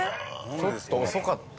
ちょっと遅かったって事？